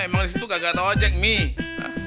ya emang disitu gak ada ojek mie